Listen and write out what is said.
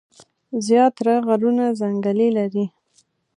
زيات تره غرونه ځنګلې لري ـ